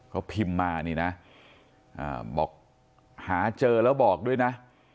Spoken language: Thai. เขาพิมพ์มานี่นะบอกหาเจอแล้วบอกด้วยนะ